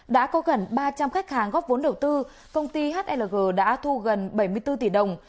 đã có gần ba trăm linh khách hàng góp vốn đầu tư công ty hlg đã thu gần bảy mươi bốn tỷ đồng